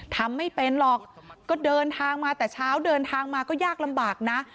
ทำไม่เป็นหรอกก็เดินทางมาแต่เช้าเดินทางมาก็ยากลำบากนะ